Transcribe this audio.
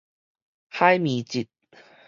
海綿質